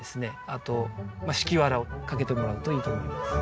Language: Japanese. あと敷きわらをかけてもらうといいと思います。